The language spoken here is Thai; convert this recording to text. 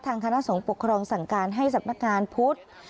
คณะสงฆ์ปกครองสั่งการให้สำนักงานพุทธ